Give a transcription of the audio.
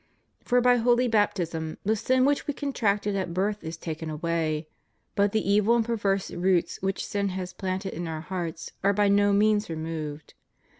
For by holy baptism the sin which we contracted at birth is taken away; but the evil and perverse roots which sin has planted in our hearts are by no means removed.